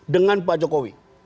dengan pak jokowi